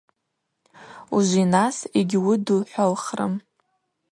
Ужвинас йгьуыдухӏвалхрым.